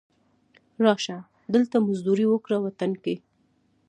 را شه، دلته مزدوري وکړه وطن کې